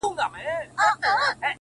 پدرلعنته حادثه ده او څه ستا ياد دی _